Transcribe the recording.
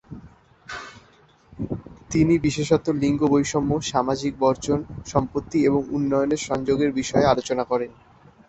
তিনি বিশেষত লিঙ্গ বৈষম্য, সামাজিক বর্জন, সম্পত্তি এবং উন্নয়নের সংযোগের বিষয়ে আলোচনা করেন।